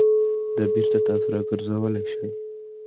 It is generally reversible.